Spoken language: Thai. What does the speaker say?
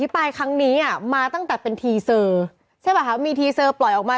ฝ่ายค้านน้ำเยอะไปหรือเปล่า